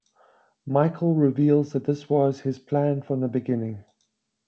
Michael reveals that this was his plan from the beginning.